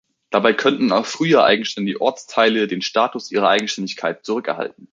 Dabei können auch früher eigenständige Ortsteile den Status ihrer Eigenständigkeit zurückerhalten.